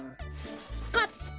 カット。